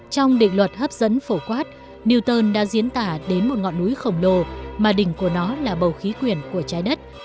trong định luật hấp dẫn phổ quát newton đã diễn tả đến một ngọn núi khổng lồ mà đỉnh của nó là bầu khí quyển của trái đất